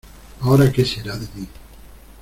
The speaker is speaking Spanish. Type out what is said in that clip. ¡ ahora qué será de mí!...